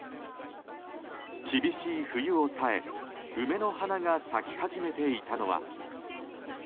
厳しい冬を耐え梅の花が咲き始めていたのは。